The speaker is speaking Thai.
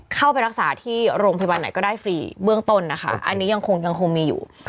เข้าไปรักษาที่โรงพยาบาลไหนก็ได้ฟรีเบื้องต้นนะคะอันนี้ยังคงยังคงมีอยู่